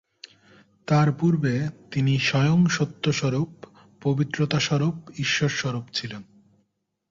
তার পূর্বে তিনি স্বয়ং সত্যস্বরূপ, পবিত্রতা-স্বরূপ, ঈশ্বরস্বরূপ ছিলেন।